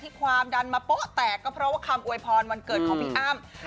ความดันมาโป๊ะแตกก็เพราะว่าคำอวยพรวันเกิดของพี่อ้ำ